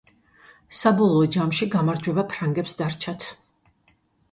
საბოლოო ჯამში გამარჯვება ფრანგებს დარჩათ.